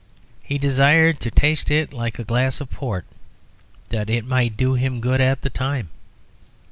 He desired to taste it like a glass of port, that it might do him good at the time.